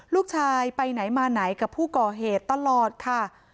ลูกชายไปไหนมาไหนกับผู้ก่อเหตุตลอดค่ะ